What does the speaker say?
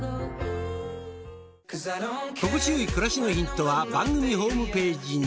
心地よい暮らしのヒントは番組ホームページに。